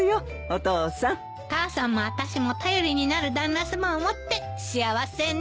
母さんもあたしも頼りになる旦那さまを持って幸せね。